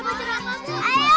mau beli berapa